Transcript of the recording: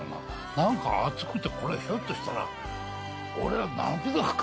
何か熱くてこれひょっとしたら俺は泣くのか？